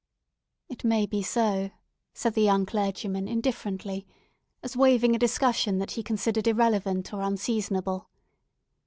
"It may be so," said the young clergyman, indifferently, as waiving a discussion that he considered irrelevant or unseasonable.